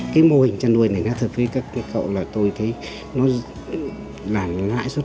cái mô hình chăn nuôi này nha thật với các cậu là tôi thấy nó là ngại sốt